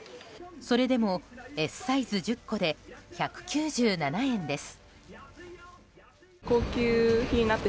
それでもＳサイズ１０個で１９７円です。